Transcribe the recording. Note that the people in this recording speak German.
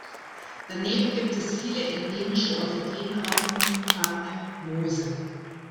Daneben gibt es viele endemische Orchideenarten, Farne, Moose.